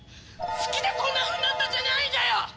好きでこんなふうになったんじゃないんだよ！